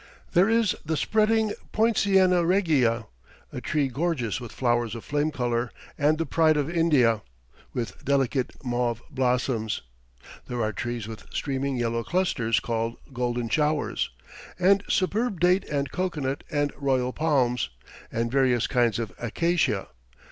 There is the spreading Poinciana regia, a tree gorgeous with flowers of flame colour, and the "pride of India," with delicate mauve blossoms; there are trees with streaming yellow clusters, called "golden showers," and superb date and cocoanut and royal palms, and various kinds of acacia.